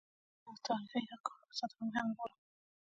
زه د تاریخي یادګارونو ساتنه مهمه بولم.